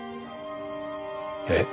えっ？